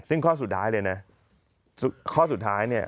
ซึ่งข้อสุดท้ายเลยนะข้อสุดท้ายเนี่ย